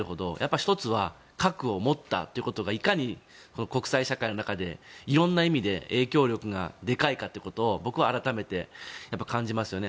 １つは核を持ったということがいかに国際社会の中で色んな意味で影響力がでかいかということを僕は改めて感じますよね。